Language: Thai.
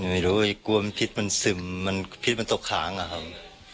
ไม่รู้กลัวมันพิษมันซึมมันพิษมันตกค้างอะครับ